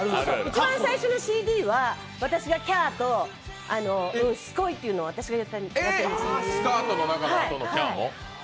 一番最初のＣＤは最初の「キャー」と「すごい」は私がやってるんです。